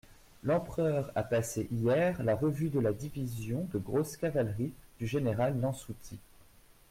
L'empereur a passé hier la revue de la division de grosse cavalerie du général Nansouty.